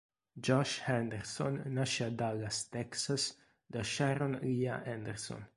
Josh Henderson nasce a Dallas, Texas, da Sharon Lea Henderson.